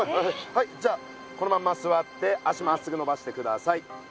はいじゃあこのまますわって足まっすぐのばしてください。